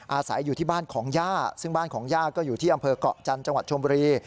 อาศัยอยู่ที่บ้านของย่าซึ่งบ้านของย่าก็อยู่ที่อำเภอกเกาะจันทร์จังหวัดชมบุรี